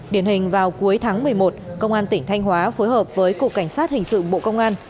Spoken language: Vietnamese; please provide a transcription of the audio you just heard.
điển hình vào cuối tháng một mươi một công an tỉnh thanh hóa phối hợp với cục cảnh sát hình sự bộ công an